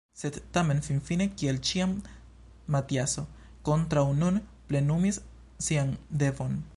Sed tamen finfine kiel ĉiam Matiaso kontraŭ nun plenumis sian devon.